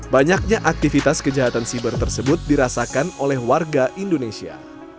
banyaknya aktivitas kejahatan siber tersebut dirasakan oleh warga indonesia